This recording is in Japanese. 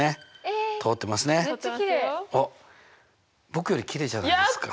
僕よりきれいじゃないですか。